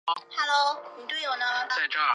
第一位越南小姐是裴碧芳。